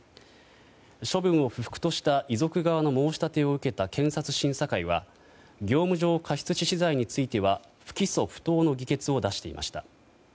処分を不服とした遺族側の申し立てを受けた検察診察会は業務上過失致死罪については不起訴不当の議決を出していました。